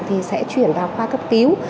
thì sẽ chuyển vào khoa cấp cứu